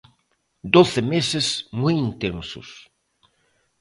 Doce meses moi intensos.